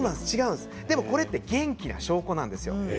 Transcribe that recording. でもこれって元気な証拠なんですよ。